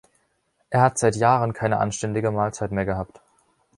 Er hat seit Jahren keine anständige Mahlzeit mehr gehabt.